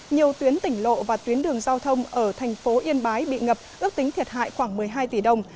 nhiều tuyến tỉnh lộ và tuyến đường giao thông ở thành phố yên bái bị ngập ước tính thiệt hại khoảng một mươi hai tỷ đồng